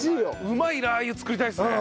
うまいラー油作りたいですね。